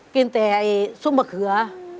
กินแต่ซุปเผือเขือ